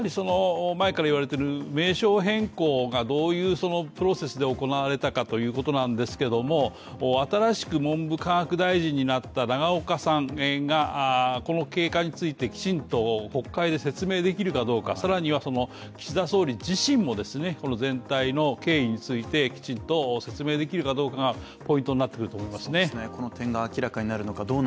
前から言われている名称変更がどういうプロセスで行われたかということなんですが新しく文部科学大臣になった永岡さんがこの経過についてきちんと国会で説明できるかどうか、更には、岸田総理自身も全体の経緯について、きちんと説明できるかどうかがポイントになってくると思いますね。